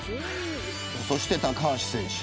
そして、高橋選手。